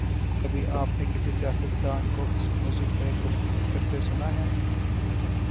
کبھی آپ نے کسی سیاستدان کو اس موضوع پہ گفتگو کرتے سنا ہے؟